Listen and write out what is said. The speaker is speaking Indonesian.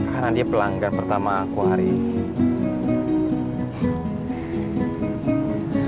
karena dia pelanggan pertama aku hari ini